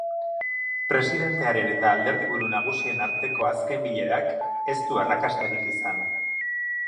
Presidentearen eta alderdiburu nagusien arteko azken bilerak ez du arrakastarik izan.